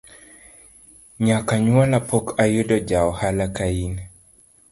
Nyaka nyuola pok ayudo ja ohala kain